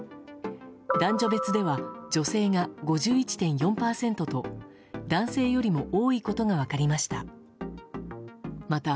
男女別では女性が５１．４％と男性よりも多いことが分かりました。